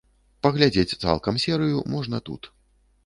Паглядзець цалкам серыю можна тут.